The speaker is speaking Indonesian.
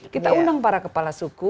kita undang para kepala suku